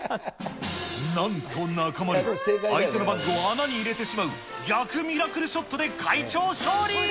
なんと中丸、相手のバッグを穴に入れてしまう逆ミラクルショットで会長勝利。